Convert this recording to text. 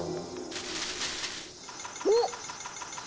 おっ！